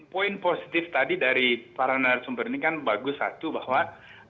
poin positif tadi dari para narasumber ini kan bagus satu bahwa ksp itu harus mengatasi